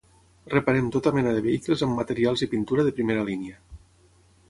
Reparem tota mena de vehicles amb materials i pintura de primera línia